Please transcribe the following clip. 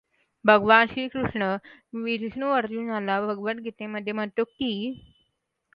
भगवान श्रीकृष्ण विष्णू अर्जुनाला भगवद्गीतेमध्ये म्हणतो की